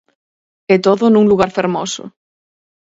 E todo nun lugar fermoso.